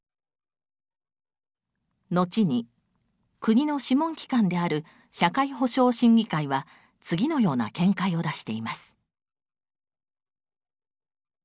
後に国の諮問機関である社会保障審議会は次のような見解を出しています。